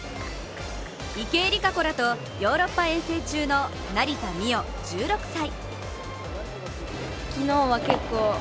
池江璃花子らとヨーロッパ遠征中の成田実生１６歳。